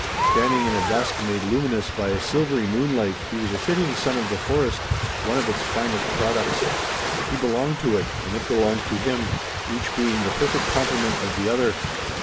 Standing in a dusk made luminous by a silvery moonlight he was a fitting son of the forest, one of its finest products. He belonged to it, and it belonged to him, each being the perfect complement of the other.